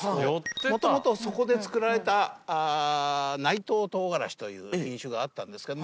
もともとそこで作られた内藤とうがらしという品種があったんですけども。